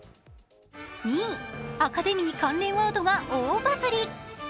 ２位、アカデミー関連ワードが大バズり。